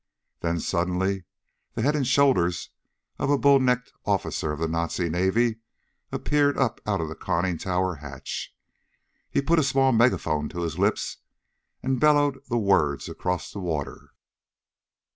Then suddenly the head and shoulders of a bull necked officer of the Nazi Navy appeared up out of the conning tower hatch. He put a small megaphone to his lips and bellowed the words across the water.